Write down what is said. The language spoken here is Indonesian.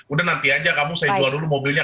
udah nanti aja kamu saya jual dulu mobilnya